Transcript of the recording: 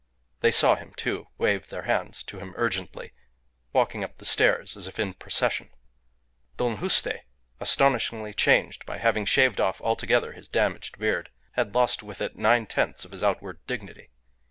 They saw him, too, waved their hands to him urgently, walking up the stairs as if in procession. Don Juste, astonishingly changed by having shaved off altogether his damaged beard, had lost with it nine tenths of his outward dignity.